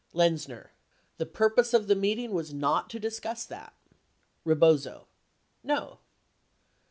Lenzner. The purpose of the meeting was not to discuss that. Rebozo. No.